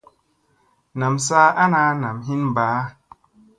Nam saa ana nam hin mbaa.